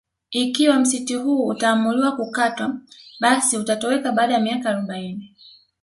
Ikiwa msitu huo utaamuliwa kukatwa basi utatoweka baada ya miaka arobaini